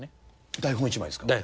台本１枚ですか？